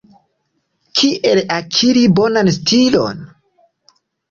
Kiel akiri bonan stilon?